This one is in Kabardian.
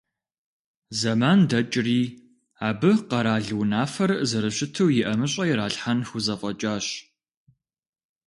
Зэман дэкӀри, абы къэрал унафэр зэрыщыту и ӀэмыщӀэ ирилъхьэн хузэфӀэкӀащ.